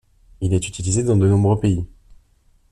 Il est utilisé dans de nombreux pays.